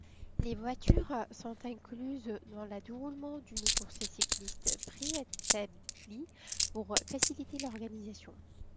Les voitures sont incluses dans le déroulement d'une course cycliste préétablie, pour faciliter l'organisation.